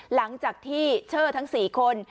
หลังจากที่เชอร์ทั้ง๔คน